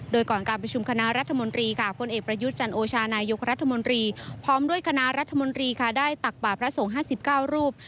โดยก่อนการประชุมคณะรัฐมนตรีค่ะพลเอกประยุทธ์จันโอชานายกรัฐมนตรีพร้อมด้วยคณะรัฐมนตรีค่ะได้ตักบาทพระสงฆ์๕๙รูป